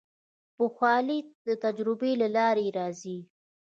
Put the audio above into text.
پوخوالی د تجربې له لارې راځي.